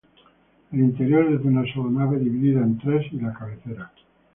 El interior es de una sola nave dividida en tres y la cabecera.